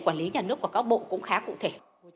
lý nhà nước và các bộ cũng khá cụ thể